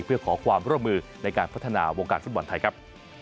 เพื่อขอความร่วมมือในการพัฒนาวงการฟุตบอลไทยครับ